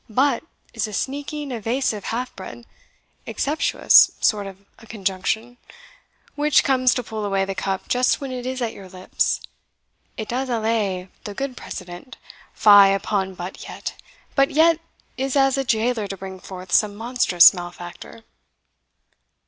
But is a sneaking, evasive, half bred, exceptuous sort of a conjunction, which comes to pull away the cup just when it is at your lips it does allay The good precedent fie upon but yet! But yet is as a jailor to bring forth Some monstrous malefactor."